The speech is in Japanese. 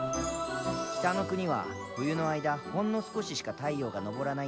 北の国は冬の間ほんの少ししか太陽が昇らないんだ。